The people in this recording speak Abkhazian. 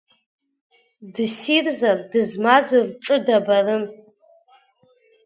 Дыссирзар дызмаз рҿы даабарын…